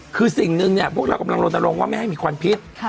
คือสิ่งหนึ่งเนี่ยพวกเรากำลังลนลงว่าไม่ให้มีควันพิษ